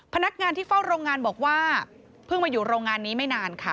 พนักงานที่เฝ้าโรงงานบอกว่าเพิ่งมาอยู่โรงงานนี้ไม่นานค่ะ